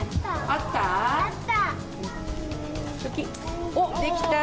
あった。